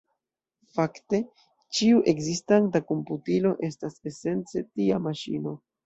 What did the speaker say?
Fakte, ĉiu ekzistanta komputilo estas esence tia maŝino.